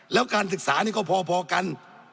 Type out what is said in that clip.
แล้วการศึกษานี่ก็พอกัน